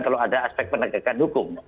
kalau ada aspek penegakan hukum